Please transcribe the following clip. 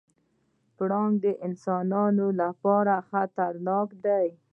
پړانګ د انسانانو لپاره خطرناک دی.